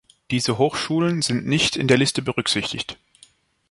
Diese Hochschulen sind nicht in der Liste berücksichtigt.